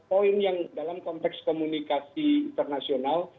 poin yang dalam konteks komunikasi internasional